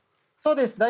そうです。